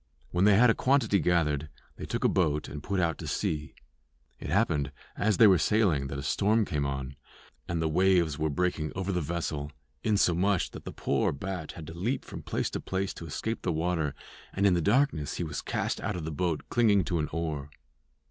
When they had a quantity gathered they took a boat and put out to sea. It happened as they were sailing that a storm came on, and the waves were breaking over the vessel, insomuch that the poor bat had to leap from place to place to escape the water, and in the darkness he was cast out of the boat clinging to an oar.